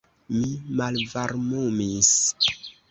Mi malvarmumis.